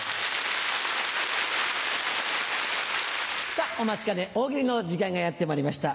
さぁお待ちかね「大喜利」の時間がやってまいりました。